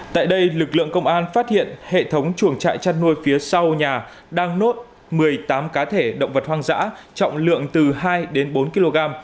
tại đây lực lượng công an phát hiện hệ thống chuồng trại chăn nuôi phía sau nhà đang nốt một mươi tám cá thể động vật hoang dã trọng lượng từ hai đến bốn kg